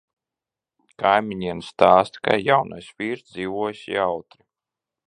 Kaimiņiene stāsta, ka jaunais vīrs dzīvojis jautri.